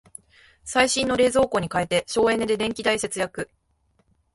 最新の冷蔵庫に替えて省エネで電気代節約